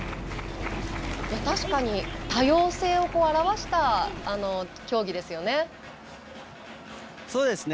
確かに多様性を表した競技ですよね。